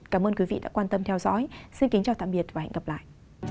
cảm ơn quý vị đã quan tâm theo dõi xin kính chào tạm biệt và hẹn gặp lại